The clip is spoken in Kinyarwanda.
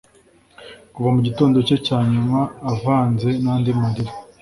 Kuva mugitondo cye cyanyuma avanze nandi marira